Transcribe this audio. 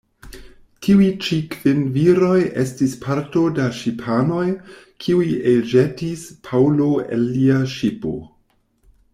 Tiuj-ĉi kvin viroj estis parto da ŝipanoj, kiuj elĵetis Paŭlo el lia ŝipo.